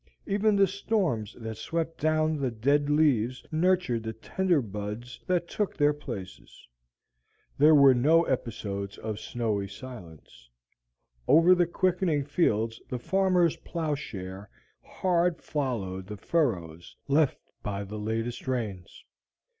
Even the storms that swept down the dead leaves nurtured the tender buds that took their places. There were no episodes of snowy silence; over the quickening fields the farmer's ploughshare hard followed the furrows left by the latest rains.